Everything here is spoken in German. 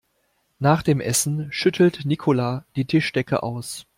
Nach dem Essen schüttelt Nicola die Tischdecke aus.